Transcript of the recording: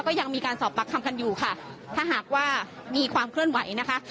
ก็ยังมีการสอบปากคำกันอยู่ค่ะถ้าหากว่ามีความเคลื่อนไหวนะคะ